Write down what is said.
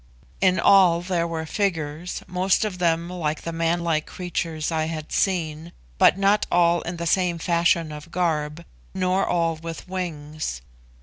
In all there were figures, most of them like the manlike creatures I had seen, but not all in the same fashion of garb, nor all with wings.